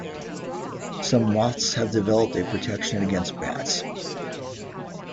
Some moths have developed a protection against bats.